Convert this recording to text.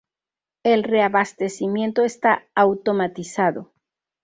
El reabastecimiento está automatizado.